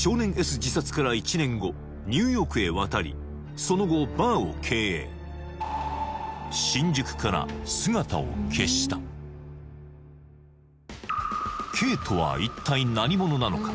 自殺から１年後ニューヨークへ渡りその後バーを経営Ｋとは一体何者なのか？